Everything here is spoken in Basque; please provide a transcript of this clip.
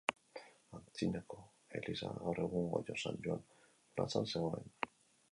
Antzinako eliza gaur egungo San Joan plazan zegoen.